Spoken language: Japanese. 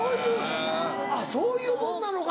あっそういうもんなのか。